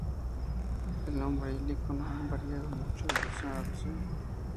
El nombre y el icono han variado mucho de versión a versión.